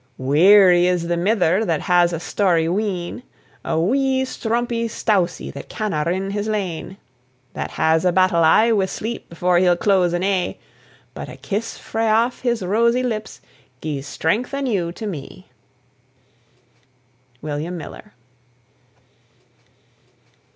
Wearie is the mither that has a storie wean, A wee stumpie stoussie that canna rin his lane, That has a battle aye wi' sleep before he'll close an ee; But a kiss frae aff his rosy lips gies strength anew to me. WILLIAM MILLER.